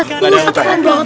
tadi ustadz begini